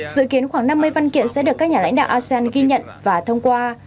dự kiến khoảng năm mươi văn kiện sẽ được các nhà lãnh đạo asean ghi nhận và thông qua